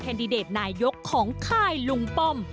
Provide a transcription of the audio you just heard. แคนดิเดตนายยกของข้ายหลุงปอม